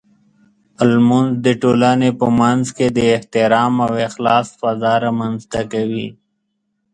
لمونځ د ټولنې په منځ کې د احترام او اخلاص فضاء رامنځته کوي.